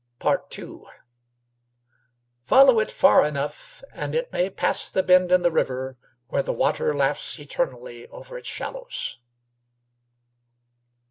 II "Follow it far enough and it may pass the bend in the river where the water laughs eternally over its shallows."